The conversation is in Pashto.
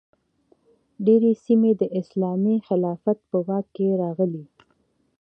ډیرې سیمې د اسلامي خلافت په واک کې راغلې.